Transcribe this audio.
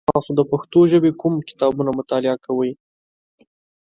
تاسو د پښتو ژبې کوم کتابونه مطالعه کوی؟